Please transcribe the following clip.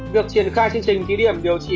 việc triển khai chương trình ký điểm điều trị